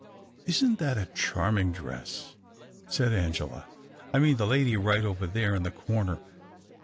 " Isn't that a charming dress ?" said Angela. " I mean the lady right over there in the corner."